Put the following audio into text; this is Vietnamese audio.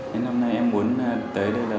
nên hôm nay em muốn tới đây